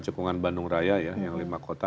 cekungan bandung raya ya yang lima kota